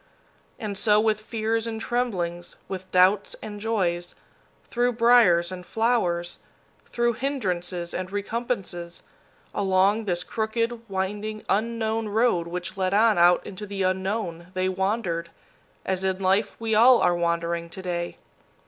And so, with fears and tremblings, with doubts and joys, through briers and flowers, through hindrances and recompenses, along this crooked, winding, unknown road which led on out into the Unknown, they wandered, as in life we all are wandering to day.